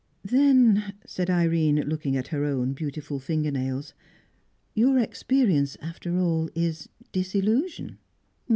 "Then," said Irene, looking at her own beautiful fingernails, "your experience, after all, is disillusion."